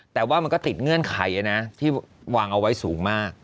แต่ว่ามันก็ติดเงื่อนไขนะที่วางเอาไว้สูงมาก